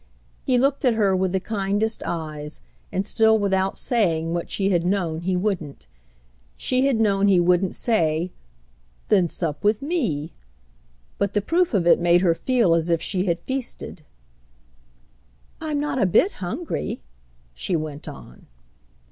He looked at her with the kindest eyes and still without saying what she had known he wouldn't. She had known he wouldn't say "Then sup with me!" but the proof of it made her feel as if she had feasted. "I'm not a bit hungry," she went on.